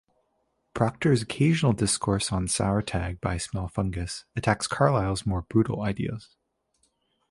Proctor's "Occasional Discourse on Sauertieg by Smelfungus" attacks Carlyle's more brutal ideas.